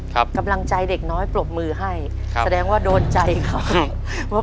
กำลังใจเด็กน้อยปรบมือให้ครับแสดงว่าโดนใจเขาว่า